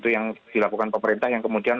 yang dilakukan pemerintah yang kemudian